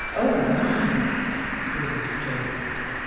'" "Oh, my!" screamed Joel.